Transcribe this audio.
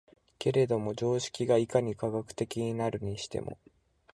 けれども常識がいかに科学的になるにしても、